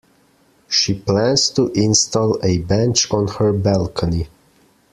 She plans to install a bench on her balcony.